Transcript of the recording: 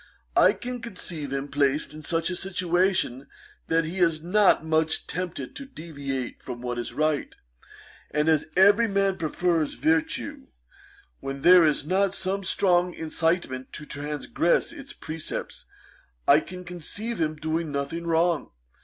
I can conceive him placed in such a situation that he is not much tempted to deviate from what is right; and as every man prefers virtue, when there is not some strong incitement to transgress its precepts, I can conceive him doing nothing wrong.